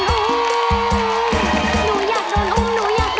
หนูอยากโดนอุ้มหนูอยากโดนอุ้ม